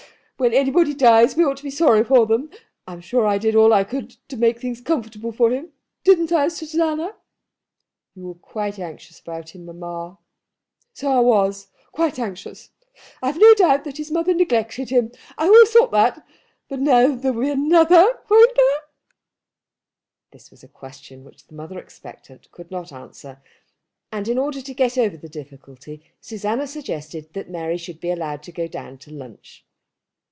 When anybody dies we ought to be sorry for them. I'm sure I did all I could to make things comfortable for him. Didn't I, Susanna?" "You were quite anxious about him, mamma." "So I was, quite anxious. I have no doubt his mother neglected him. I always thought that. But now there will be another, won't there?" This was a question which the mother expectant could not answer, and in order to get over the difficulty Susanna suggested that Mary should be allowed to go down to lunch.